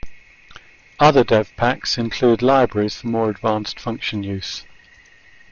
Other DevPaks include libraries for more advanced function use.